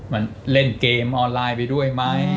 มันเล่นเกมออนไลน์ไปด้วยไหม